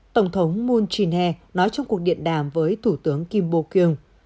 tổng thống mô chí nè nói trong cuộc điện đàm với thủ tướng kim bô kiều